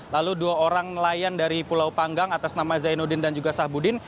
lalu dua orang nelayan dari pulau panggang atas nama zainuddin dan juga sahbudin